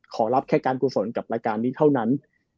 ขอรับแค่การกุศลกับรายการนี้เท่านั้น